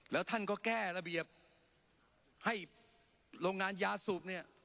แล้วท่านก็แก้ระเบียบให้โรงงานยาสูบเนี่ย